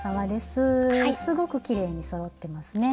すごくきれいにそろってますね。